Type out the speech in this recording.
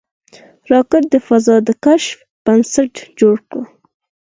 راکټ د فضا د کشف بنسټ جوړ کړ